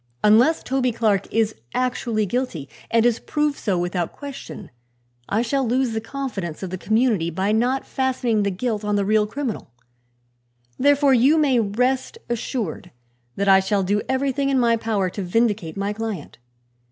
Unless Toby Clark is actually guilty, and is proved so without question, I shall lose the confidence of the community by not fastening the guilt on the real criminal. Therefore you may rest assured that I shall do everything in my power to vindicate my client.